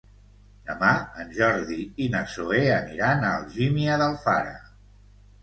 Demà en Jordi i na Zoè aniran a Algímia d'Alfara.